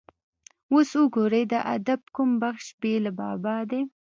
اوس وګورئ د ادب کوم بخش بې له بابا دی.